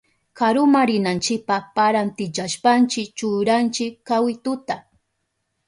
Karuma rinanchipa parantillashpanchi churanchi kawituta.